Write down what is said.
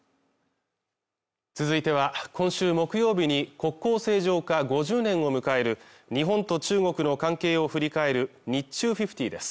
続いては今週木曜日に国交正常化５０年を迎える日本と中国の関係を振り返る「日中５０」です